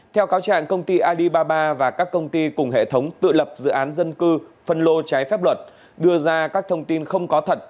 theo cáo trạng công ty alibaba và các công ty cùng hệ thống tự lập dự án dân cư phân lô trái phép luật đưa ra các thông tin không có thật